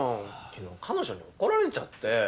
昨日彼女に怒られちゃって。